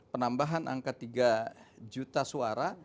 penambahan angka tiga juta suara